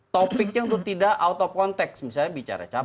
topiknya untuk tidak out of context misalnya bicara capres